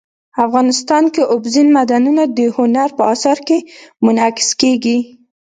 افغانستان کې اوبزین معدنونه د هنر په اثار کې منعکس کېږي.